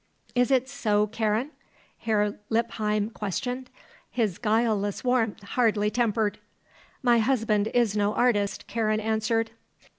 "Is it so, Karen?" Herr Lippheim questioned, his guileless warmth hardly tempered. "My husband is no artist," Karen answered.